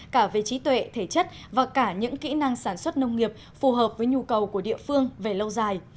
cả về trí tuệ thể chất và cả những kỹ năng sản xuất nông nghiệp phù hợp với nhu cầu của địa phương về lâu dài